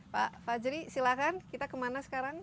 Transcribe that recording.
pak fajri silahkan kita kemana sekarang